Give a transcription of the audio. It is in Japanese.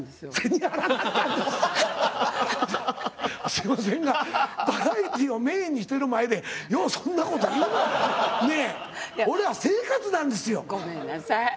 すいませんがバラエティーをメインにしてる前でようそんなこと言いまんな！ねえ俺は生活なんですよ。ごめんなさい。